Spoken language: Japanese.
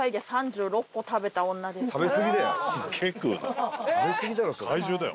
食べすぎだよ！